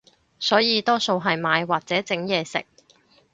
所以多數係買或者整嘢食